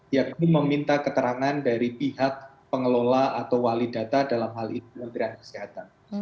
yakni meminta keterangan dari pihak pengelola atau wali data dalam hal ini kementerian kesehatan